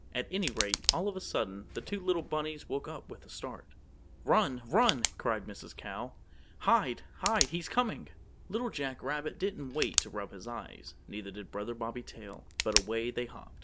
At any rate, all of a sudden, the two little rabbits woke up with a start. "Run, run!" cried Mrs. Cow. "Hide, hide! He's coming!" Little Jack Rabbit didn't wait to rub his eyes, neither did Brother Bobby Tail, but away they hopped.